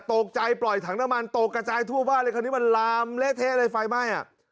ตกใจปล่อยถังน้ำมันตกกระจายทั่วบ้านเลยคราวนี้มันลามเละเทะเลยไฟไหม้อ่ะ